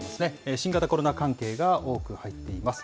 新型コロナ関係が多く入っています。